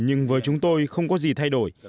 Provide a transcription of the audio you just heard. nhưng với chúng tôi không có gì thay đổi